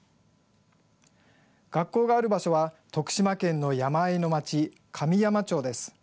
学校がある場所は徳島県の山あいの町、神山町です。